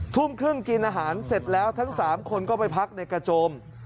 ทุ่มครึ่งกินอาหารเสร็จแล้วทั้ง๓คนก็ไปพักในกระโจม